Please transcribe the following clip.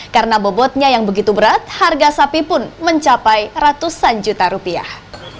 karena bobotnya yang begitu berat harga sapi pun mencapai ratusan juta rupiah